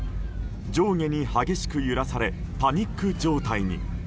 上下に激しく揺らされパニック状態に。